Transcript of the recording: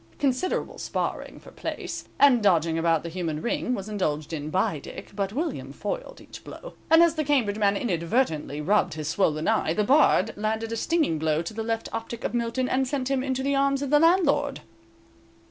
Considerable sparring for place, and dodging about the human ring, was indulged in by Dick, but William foiled each blow, and as the Cambridge man inadvertently rubbed his swollen eye, the Bard landed a stinging blow on the left optic of Milton and sent him into the arms of the landlord.